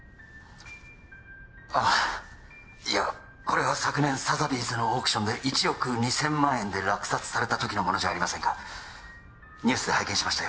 あっいやこれは昨年サザビーズのオークションで１億２千万円で落札された時のものじゃありませんかニュースで拝見しましたよ